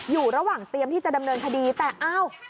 อยู่ระหว่างเตรียมที่จะดำเนินคดีแต่อ้าว